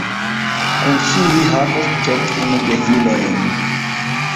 Kun ŝi li havos dek unu gefilojn.